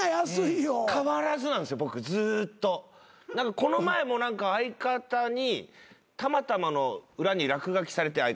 この前も何か相方にタマタマの裏に落書きされて。